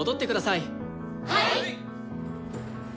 はい！